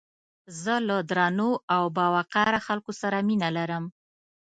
زه له درنو او باوقاره خلکو سره مينه لرم